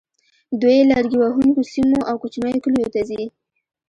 دوی لرګي وهونکو سیمو او کوچنیو کلیو ته ځي